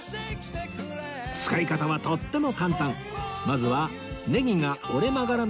使い方はとっても簡単